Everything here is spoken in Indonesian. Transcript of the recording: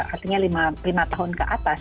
artinya lima tahun ke atas